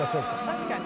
確かに。